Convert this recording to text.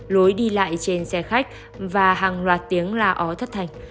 lối đi lại trên xe khách và hàng loạt tiếng la ó thất thành